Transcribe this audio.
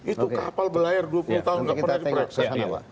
itu kapal berlayar dua puluh tahun gak pernah diperakses dia